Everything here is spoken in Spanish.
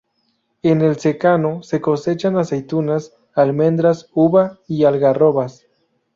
En el secano se cosechan aceitunas, almendras, uva y algarrobas.